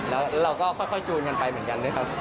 แล้วเราก็ค่อยจูนกันไปเหมือนกันด้วยครับ